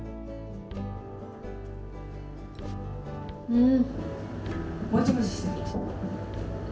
うん。